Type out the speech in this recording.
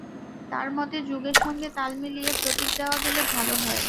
তাঁর মতে, যুগের সঙ্গে তাল মিলিয়ে প্রতীক দেওয়া গেলে ভালো হয়।